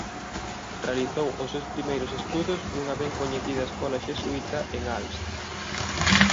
Realizou os seus primeiros estudos nunha ben coñecida escola xesuíta en Aalst.